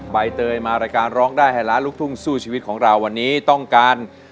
ใบเตยมารายการร้องได้ให้ล้านลูกทุ่งสู้ชีวิตของเราวันนี้ต้องการ